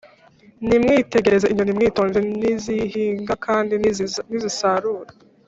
Nimwitegereze inyoni mwitonze ntizihinga kandi ntizisarura